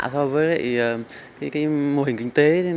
so với cái mô hình kinh tế